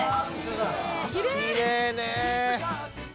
きれいね。